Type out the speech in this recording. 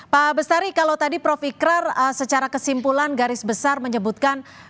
pak bestari kalau tadi prof ikrar secara kesimpulan garis besar menyebutkan